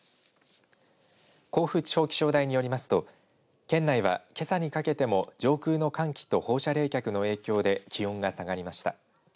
甲府地方気象台によりますと県内はけさにかけても上空の寒気と放射冷却の影響で気温が下がりました。